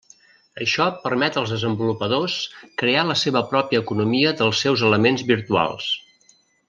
Això permet als desenvolupadors crear la seva pròpia economia dels seus elements virtuals.